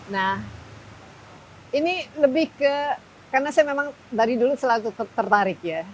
nah ini lebih ke karena saya memang dari dulu selalu tertarik ya